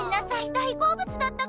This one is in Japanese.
大好物だったから。